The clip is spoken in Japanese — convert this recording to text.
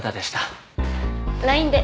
ＬＩＮＥで？